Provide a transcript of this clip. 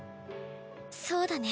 そうだね。